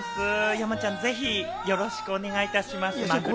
山ちゃん、ぜひよろしくお願いいたします。